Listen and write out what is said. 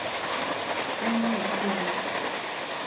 — Ане, юмо...